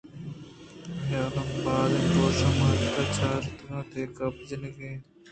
آئیءَ الم بازیں درٛوشمءُ عادت چاریتگ ءُاے گپ جَتگ اَنت